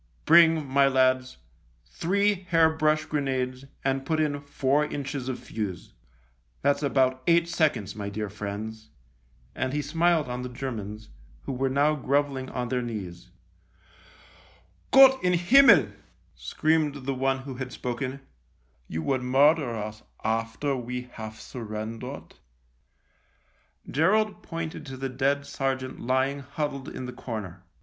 Bring, my lads, three hair brush grenades and put in four inches of fuse. That's about eight seconds, my dear friends," and he smiled on the Germans, who were now grovelling on their knees. " Gott in Himmel !" screamed the one 48 THE LIEUTENANT who had spoken, " you would murder us after we have surrendered ?" Gerald pointed to the dead sergeant lying huddled in the corner.